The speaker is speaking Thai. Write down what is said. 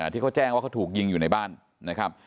ที่เขาแจ้งว่าเขาถูกยิงอยู่ในบ้านนะครับ